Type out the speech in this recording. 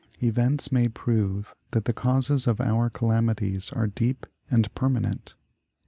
Events may prove that the causes of our calamities are deep and permanent.